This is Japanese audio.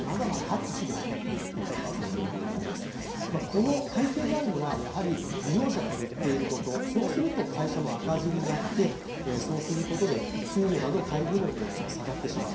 この背景にあるのは、やはり利用者が減っていること、そうすると会社も赤字になって、そうすることで給与など待遇面もちょっと下がってしまう。